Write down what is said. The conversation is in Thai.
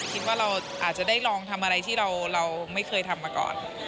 คิดว่าเราอาจจะได้ลองทำอะไรที่เราไม่เคยทำมาก่อน